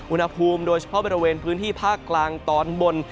อุณหภูมิโดยเฉพาะบริเวณพื้นที่ภาคกลางตอนบน